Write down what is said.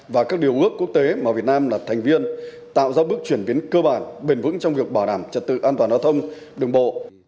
và các điều ước quốc tế mà việt nam là thành viên tạo ra bước chuyển biến cơ bản bền vững trong việc bảo đảm trật tự an toàn giao thông đường bộ